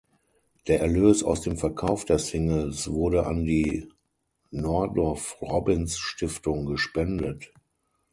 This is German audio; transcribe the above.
Der Erlös aus dem Verkauf der Singles wurde an die Nordoff-Robbins-Stiftung gespendet.